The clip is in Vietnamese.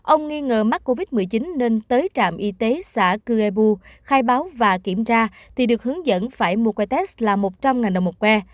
ông nghi ngờ mắc covid một mươi chín nên tới trạm y tế xã cư ê bu khai báo và kiểm tra thì được hướng dẫn phải mua que test là một trăm linh đồng một que